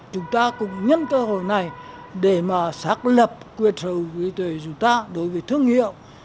chúng ta cũng nhấn cơ hội này để mà xác lập quyền sở hữu truy tuệ chúng ta đối với thương hiệu